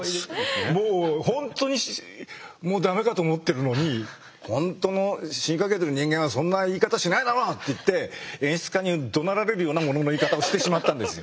もう本当にもうダメかと思ってるのに「本当の死にかけてる人間はそんな言い方しないだろう」って言って演出家にどなられるような物の言い方をしてしまったんですよ。